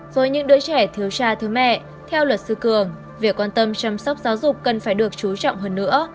với những đứa trẻ thiếu cha thứ mẹ theo luật sư cường việc quan tâm chăm sóc giáo dục cần phải được chú trọng hơn nữa